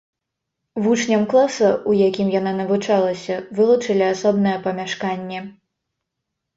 Вучням класа, у якім яна навучалася, вылучылі асобнае памяшканне.